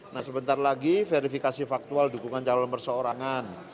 nah sebentar lagi verifikasi faktual dukungan calon berseorangan